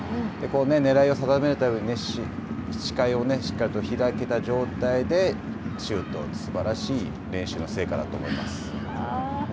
ねらいを定めるために視界をしっかりと開けた状態でシュートを打つというすばらしい練習の成果だと思います。